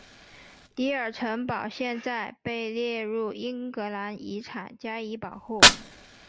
迪尔城堡现在被列入英格兰遗产加以保护。